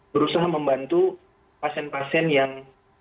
berusaha membantu pasien pasien yang